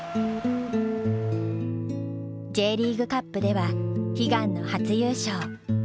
Ｊリーグカップでは悲願の初優勝。